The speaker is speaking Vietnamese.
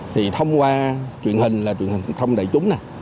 thì thông qua truyền hình là truyền hình thông đại chúng n